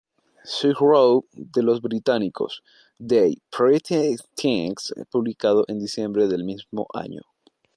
Sorrow" de los británicos The Pretty Things, publicado en diciembre del mismo año.